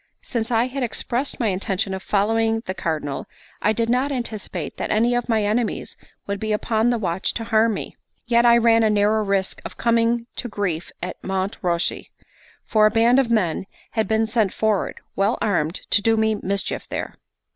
Since I had expressed my intention of following the Cardinal, I did not anticipate that any of my enemies would be upon the watch to harm me. Yet I ran a narrow risk of coming to grief at Monte Ruosi; for a band of men had been sent forward, well armed, to do me mischief there.